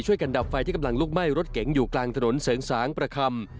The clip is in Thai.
ดับไฟที่กำลังลุกไหม้รถเก๋งอยู่กลางถนนเสริงสางประคำ